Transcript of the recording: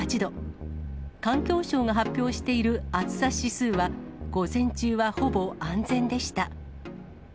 環境省が発表している暑さ指数は、午前中はほぼ安全でした。